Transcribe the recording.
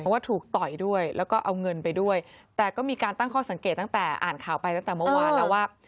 ว่าถูกต่อยด้วยแล้วก็เอาเงินไปด้วยแต่ก็มีการตั้งข้อสังเกตตั้งแต่อ่านข่าวไปตั้งแต่เมื่อวานแล้วว่า